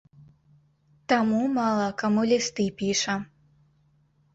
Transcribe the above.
Таму мала каму лісты піша.